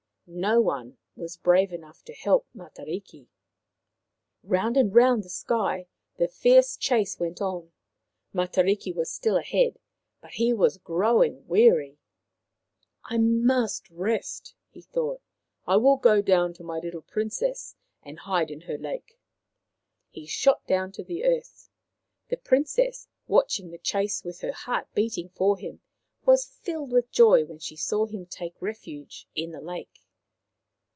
No one was brave enough to help Matariki. Round and round the sky the fierce chase went on. Matariki was still ahead, but he was growing The Star Hunt 7 weary. " I must rest/' he thought. " I will go down to my little Princess and hide in her lake." He shot down to the earth. The Princess, watching the chase with her heart beating for him, was filled with joy when she saw him take refuge in the lake.